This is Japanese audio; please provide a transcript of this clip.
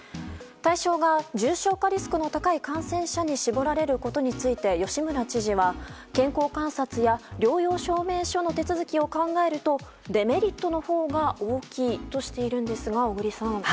対象が、重症化リスクの高い感染者に絞られることについて吉村知事は健康観察や療養証明書の手続きを考えるとデメリットのほうが大きいとしているんですが小栗さん。